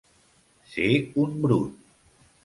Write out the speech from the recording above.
Ser un brut.